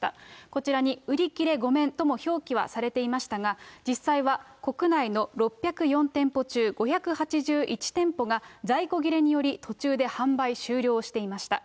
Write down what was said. こちらに売り切れごめんとも表記はされていましたが、実際は、国内の６０４店舗中５８１店舗が、在庫切れにより、途中で販売終了していました。